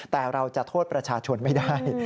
แต่เราจะโทษประชาชนไม่ได้